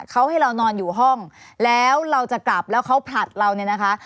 เขาให้เรานอนอยู่ห้องแล้วเราจะกลับแล้วเขาผลัดเราเนี่ยนะคะ